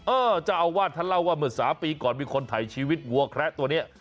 เจ้าอาวาสท่านเล่าว่าเมื่อ๓ปีก่อนมีคนถ่ายชีวิตวัวแคระตัวนี้